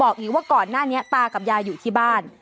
ก็ก่อนหน้านี้ปากับยายอยู่ที่บ้าน